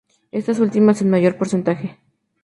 Estas ultimas en mayor porcentaje.